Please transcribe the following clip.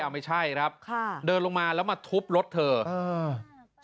ไม่ใช่ครับค่ะเดินลงมาแล้วมาทุบรถเธออ่า